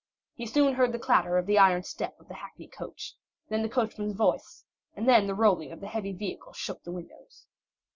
He soon heard the clatter of the iron step of the hackney coach, then the coachman's voice, and then the rolling of the heavy vehicle shook the windows.